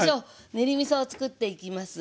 練りみそをつくっていきます。